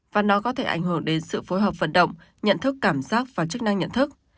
và nó có thể ảnh hưởng đến sự phối hợp vận động nhận thức cảm giác và chức năng nhận thức